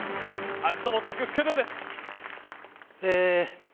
味の素クックドゥです